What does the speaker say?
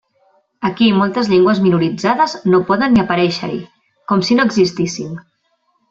Aquí moltes llengües minoritzades no poden ni aparèixer-hi, com si no existissin.